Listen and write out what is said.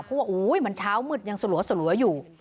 เพราะว่ามันเช้ามืดยังสลัวอยู่